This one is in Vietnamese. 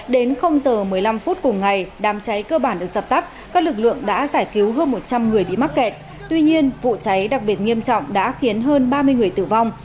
đến giờ một mươi năm phút cùng ngày đám cháy cơ bản được dập tắt các lực lượng đã giải cứu hơn một trăm linh người bị mắc kẹt tuy nhiên vụ cháy đặc biệt nghiêm trọng đã khiến hơn ba mươi người tử vong